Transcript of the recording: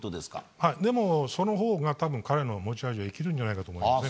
でもそのほうが多分彼の持ち味が生きるんじゃないかと思いますね